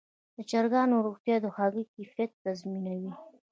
د چرګانو روغتیا د هګیو کیفیت تضمینوي.